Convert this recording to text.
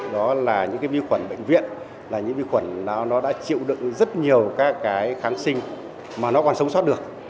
đó là những cái vi khuẩn bệnh viện là những vi khuẩn nó đã chịu đựng rất nhiều các cái kháng sinh mà nó còn sống sót được